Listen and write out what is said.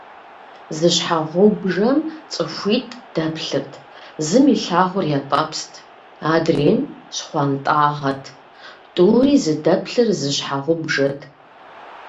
Зы щхьэгъубжэм цӏыхуитӏ дэплъырт. Зым илъагъур ятӏэпст, адрейм щхъуантӏагъэт. Тӏури зыдэплъыр зы щхьэгъубжэт…